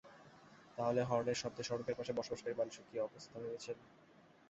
তাহলে হর্নের শব্দে সড়কের পাশে বসবাসকারী মানুষের কী অবস্থা ভেবেছেন?